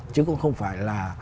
chứ cũng không phải là